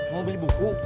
mau beli buku